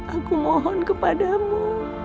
aku mohon kepadamu